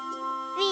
うん！